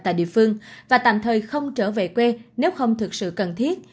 tại địa phương và tạm thời không trở về quê nếu không thực sự cần thiết